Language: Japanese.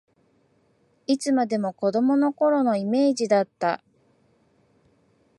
いつまでも子どもの頃のイメージだった